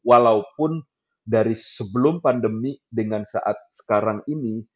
walaupun dari sebelum pandemi dengan saat sekarang ini